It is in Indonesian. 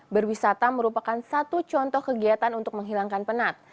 berwisata merupakan satu contoh kegiatan untuk menghilangkan penat